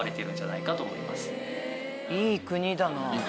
いい国だ。